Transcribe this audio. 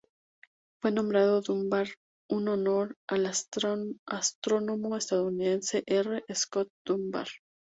Fue nombrado Dunbar en honor al astrónomo estadounidense R. Scott Dunbar.